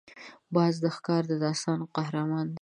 باز د ښکار د داستان قهرمان دی